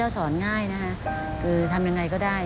สอนง่ายทำอย่างไรก็ได้